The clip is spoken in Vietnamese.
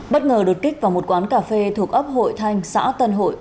bất ngờ đột kích vào một quán cà phê thuộc ấp hội thanh xã tân hội